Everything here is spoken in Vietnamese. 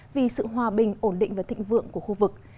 vì sự hòa bình ổn định và thịnh vượng của khu vực